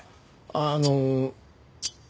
あの。